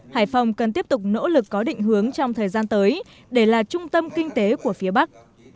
hải phòng cần tiếp tục nỗ lực có định hướng trong thời gian tới để là trung tâm kinh tế của phía bắc